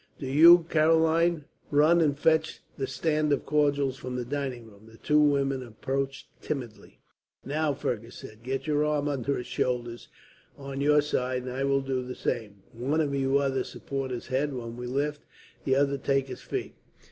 "Do you, Caroline, run and fetch the stand of cordials from the dining room." The two women approached timidly. "Now," Fergus said, "get your arm under his shoulders, on your side, and I will do the same. One of you others support his head when we lift, the other take his feet."